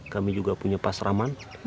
kami juga punya pasraman